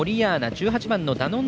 １８番ダノン